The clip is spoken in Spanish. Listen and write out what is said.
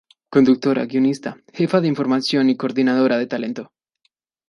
Conductora, guionista, jefa de información y coordinadora de talento.